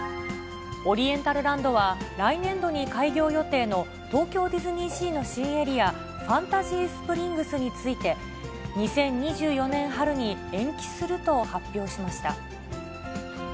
オリエンタルランドは、来年度に開業予定の東京ディズニーシーの新エリア、ファンタジースプリングスについて、２０２４年春に延期すると発表しました。